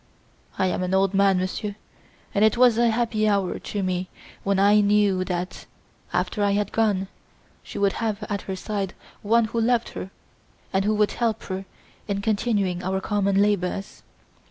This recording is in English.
I am an old man, Monsieur, and it was a happy hour to me when I knew that, after I had gone, she would have at her side, one who loved her and who would help her in continuing our common labours.